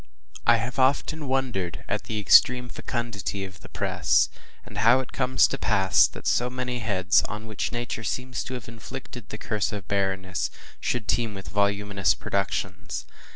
I HAVE often wondered at the extreme fecundity of the press, and how it comes to pass that so many heads, on which Nature seems to have inflicted the curse of barrenness, should teem with voluminous productions.